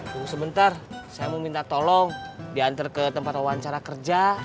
tunggu sebentar saya mau minta tolong diantar ke tempat wawancara kerja